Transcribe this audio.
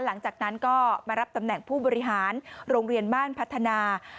หลังจากนั้นก็มารับตำแหน่งผู้บริหารโรงเรียนบ้านพัฒนา